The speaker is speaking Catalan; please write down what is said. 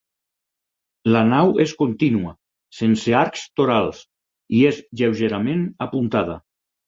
La nau és contínua, sense arcs torals, i és lleugerament apuntada.